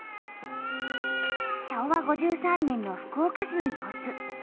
昭和５３年の福岡市の様子。